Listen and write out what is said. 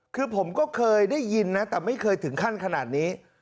คือผมก็เคยได้ยินนะแต่ไม่เคยถึงขั้นขนาดนี้